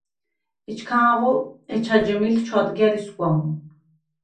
ეჩქანღო ეჩა ჯჷმილდ ჩუ̂ადგა̈რ ისგუ̂ა მუ”.